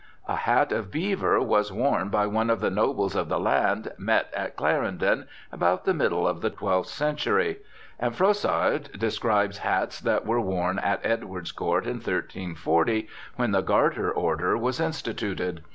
A "hatte of biever" was worn by one of the "nobels of the lande, mett at Clarendom" about the middle of the 12th century; and Froissart describes hats that were worn at Edward's court in 1340, when the Garter order was instituted.